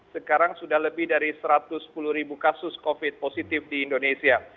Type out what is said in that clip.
sekarang sudah lebih dari satu ratus sepuluh ribu kasus covid positif di indonesia